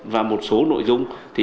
và một số nội dung